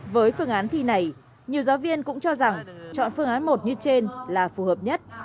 với phương án thi này nhiều giáo viên cũng cho rằng chọn phương án một như trên là phù hợp nhất